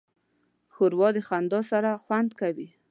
ښوروا د خندا سره خوند کوي.